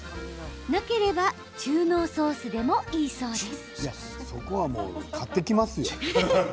なければ中濃ソースでもいいそうです。